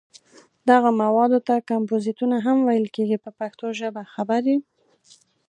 دغو موادو ته کمپوزېټونه هم ویل کېږي په پښتو ژبه خبرې.